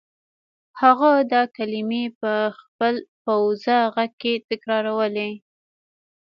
هغه دا کلمې په خپل پوزه غږ کې تکرارولې